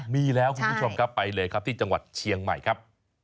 มีแล้วคุณผู้ชมครับไปเลยครับที่จังหวัดเชียงใหม่ครับ